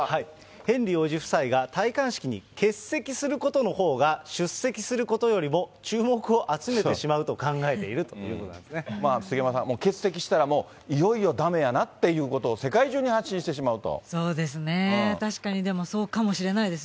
ヘンリー王子夫妻が戴冠式に欠席することのほうが、出席することよりも注目を集めてしまうと考えているということな杉山さん、欠席したら、いよいよだめやなっていうことを、世界中に発信してしまうと。